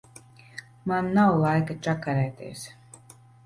Man nav laika čakarēties.